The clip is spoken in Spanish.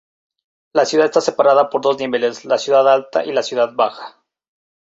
La ciudad está separada por dos niveles, la "ciudad alta" y la "ciudad baja".